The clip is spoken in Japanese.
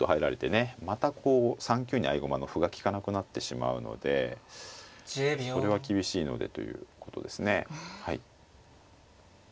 またこう３九に合駒の歩が利かなくなってしまうのでそれは厳しいのでということですね。